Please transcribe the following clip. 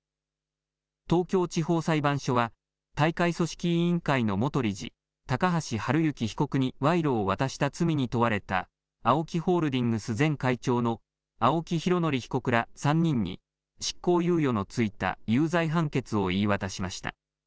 東京地方裁判所は大会組織委員会の元理事、高橋治之被告に賄賂を渡した罪に問われたＡＯＫＩホールディングス前会長の青木拡憲被告ら３人に執行猶予の付いた有罪判決を言い渡しました。